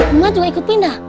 emak juga ikut pindah